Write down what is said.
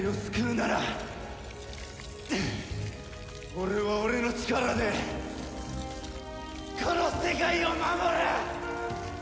俺は俺の力でこの世界を守る！